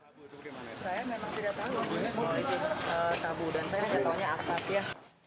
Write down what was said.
kalau itu sabu dan saya tidak tahunya aspat ya